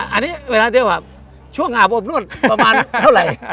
อันนี้เวลาที่แบบช่วงอาบอบนวดประมาณเท่าไหร่